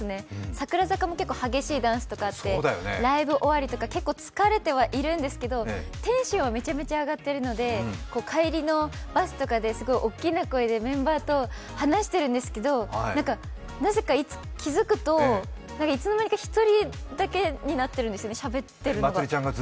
櫻坂も結構激しいダンスとかあってライブ終わりとか結構、疲れてはいるんですけどテンション、めちゃめちゃ上がってるので帰りのバスとかで大きな声でメンバーと話してるんですけどなぜか気付くと、いつの間にか１人だけになってるんですよね、しゃべってるのが。